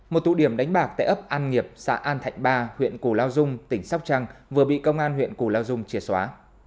một tụ điểm đánh bạc tại ấp an nghiệp xã an thạnh ba huyện củ lao dung tỉnh sóc trăng vừa bị công an huyện củ lao dung chìa xóa